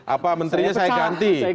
apa menterinya saya ganti